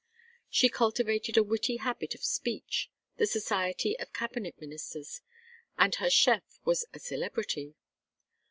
She cultivated a witty habit of speech, the society of cabinet ministers, and her chef was a celebrity.